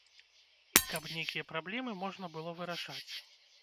І каб нейкія праблемы можна было вырашаць.